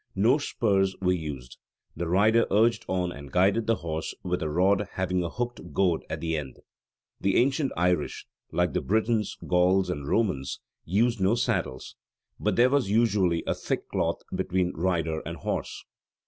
No spurs were used: the rider urged on and guided the horse with a rod having a hooked goad at the end. The ancient Irish like the Britons, Gauls, and Romans used no saddles: but there was usually a thick cloth between rider and horse.